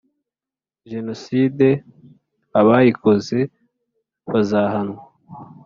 Jenoside abayikoze bazahanwa